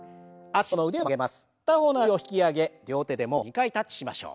片方の脚を引き上げ両手でももを２回タッチしましょう。